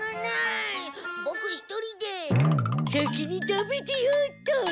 ボク一人で先に食べてよっと。